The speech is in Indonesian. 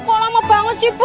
kok lama banget sih bu